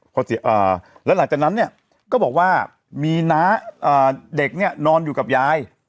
พอแล้วหลังจากนั้นเนี่ยก็บอกว่ามีน้าเด็กเนี่ยนอนอยู่กับยาย